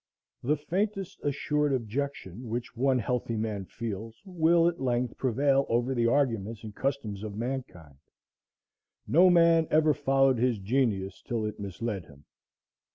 The faintest assured objection which one healthy man feels will at length prevail over the arguments and customs of mankind. No man ever followed his genius till it misled him.